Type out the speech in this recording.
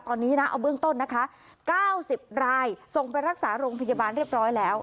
ตอนนี้นะเอาเบื้องต้นนะคะ๙๐รายส่งไปรักษาโรงพยาบาลเรียบร้อยแล้ว